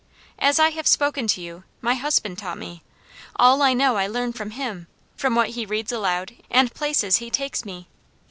As I have spoken to you, my husband taught me. All I know I learn from him, from what he reads aloud, and places he takes me.